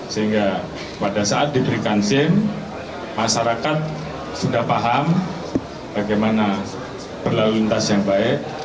sehingga pada saat diberikan sim masyarakat sudah paham bagaimana berlalu lintas yang baik